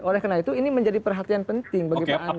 oleh karena itu ini menjadi perhatian penting bagi pak anies